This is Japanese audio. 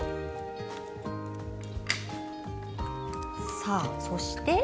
さあそして。